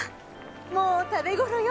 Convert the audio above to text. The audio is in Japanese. もう食べ頃よ。